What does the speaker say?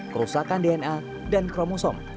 kerusakan dna dan kromosom